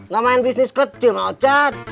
gak main bisnis kecil mang ochan